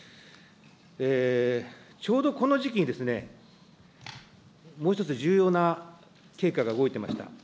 ちょうどこの時期にですね、もう一つ重要な経過が動いてました。